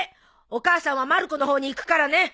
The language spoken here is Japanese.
お母さんはまる子の方に行くからね。